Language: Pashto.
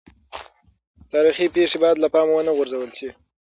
تاریخي پېښې باید له پامه ونه غورځول سي.